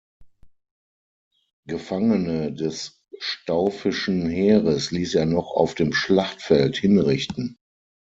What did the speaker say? Gefangene des staufischen Heeres ließ er noch auf dem Schlachtfeld hinrichten.